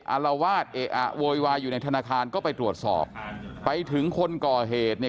อารวาสเอะอะโวยวายอยู่ในธนาคารก็ไปตรวจสอบไปถึงคนก่อเหตุเนี่ย